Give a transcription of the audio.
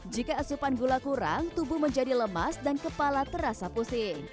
jika asupan gula kurang tubuh menjadi lemas dan kepala terasa pusing